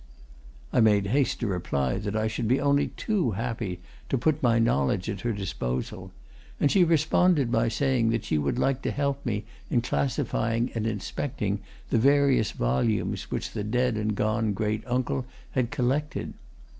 I made haste to reply that I should be only too happy to put my knowledge at her disposal, and she responded by saying that she would like to help me in classifying and inspecting the various volumes which the dead and gone great uncle had collected.